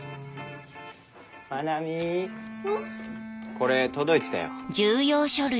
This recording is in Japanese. これ届いてたよ。